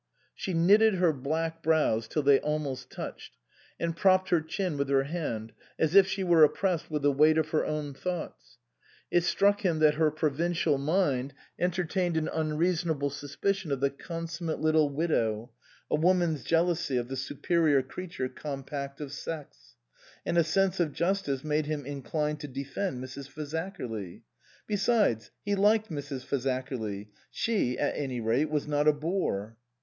She knitted her black brows till they almost touched, and propped her chin with her hand, as if she were oppressed with the weight of her own thoughts. It struck him that her provincial mind entertained an unreasonable suspicion of the consummate little widow, a woman's jeal ousy of the superior creature compact of sex ; and a sense of justice made him inclined to defend Mrs. Fazakerly. Besides, he liked Mrs. Fazakerly ; she, at any rate, was not a bore.